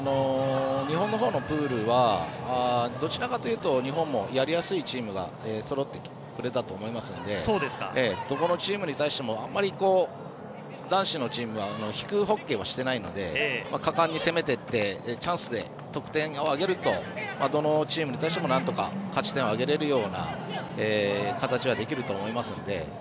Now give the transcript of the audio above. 日本のほうのプールはどちらかというと日本のやりやすいチームがそろってくれたと思いますのでどこのチームに対しても男子のチームは引くホッケーをしていないので果敢に攻めていってチャンスで得点を挙げるとどのチームとしてもなんとか勝ち点を挙げられるような形ができると思いますので。